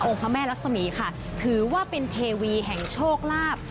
พระแม่รักษมีค่ะถือว่าเป็นเทวีแห่งโชคลาภ